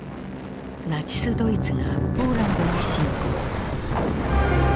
ナチスドイツがポーランドに侵攻。